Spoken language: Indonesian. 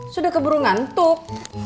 sudah keburu ngantuk